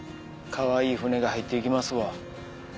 かわいい船が入っていきますわ。